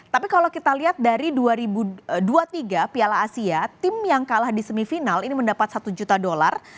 tapi kalau kita lihat dari dua ribu dua puluh tiga piala asia tim yang kalah di semifinal ini mendapat satu juta dolar